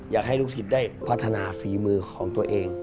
อยากให้ลูกศิษย์ได้พัฒนาฝีมือของตัวเอง